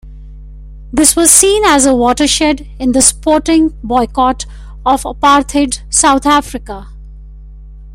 This was seen as a watershed in the sporting boycott of apartheid South Africa.